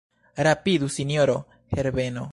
Rapidu, sinjoro Herbeno.